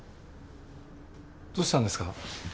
どうしたんですか？